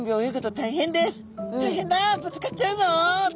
「大変だぶつかっちゃうぞ！」っと。